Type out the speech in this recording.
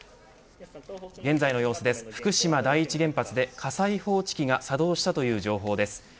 現在の様子です、福島第一原発で火災報知器が作動したという情報です。